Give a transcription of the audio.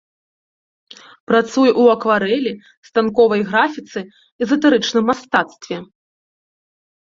Працуе ў акварэлі, станковай графіцы, эзатэрычным мастацтве.